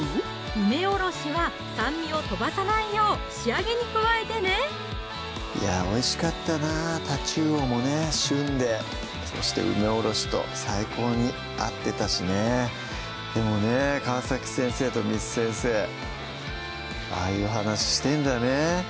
梅おろしは酸味を飛ばさないよう仕上げに加えてねいやおいしかったなたちうおもね旬でそして梅おろしと最高に合ってたしねでもね川先生と簾先生ああいう話してんだね